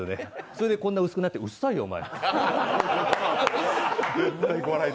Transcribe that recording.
それでこんなに薄くなってうっさいよお前！